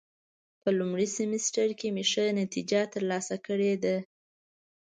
په لومړي سمستر کې مې ښه نتیجه ترلاسه کړې ده.